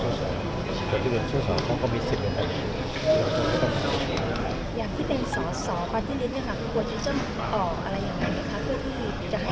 สอสอเขาก็มี๑๐อย่างกันอย่างที่เป็นสอสอพอที่นิดนึงควรจะออกอะไรอย่างไร